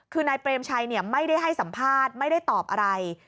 คือนายเปรมชัยไม่ได้ให้สัมภาษณ์ไม่ได้ตอบอะไร